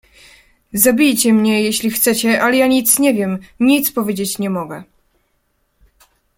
"Zabijcie mnie, jeśli chcecie, ale ja nic nie wiem, nic powiedzieć nie mogę."